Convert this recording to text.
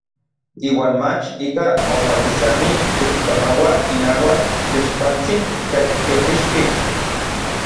Iuan mach ikaj ompa kisani tekipanoua inauak tlixpantsin kej teopixki.